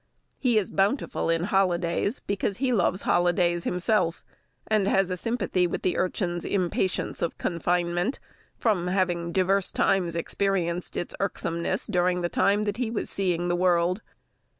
He is bountiful in holidays, because he loves holidays himself, and has a sympathy with the urchins' impatience of confinement, from having divers times experienced its irksomeness during the time that he was seeing the world.